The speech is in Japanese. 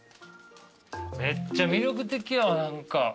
めっちゃ魅力的やわ何か。